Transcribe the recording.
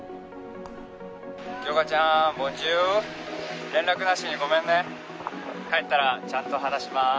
杏花ちゃんボンジュール連絡なしにごめんね帰ったらちゃんと話します